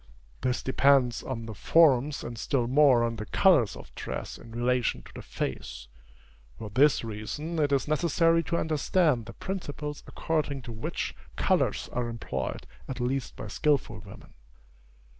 This depends on the forms and still more on the colors of dress in relation to the face. For this reason, it is necessary to understand the principles according to which colors are employed at least by skilful women.